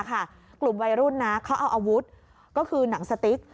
กลุ่มวัยรุ่นเขาเอาอาวุธก็คือหนังสติ๊ก